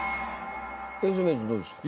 永世名人どうですか？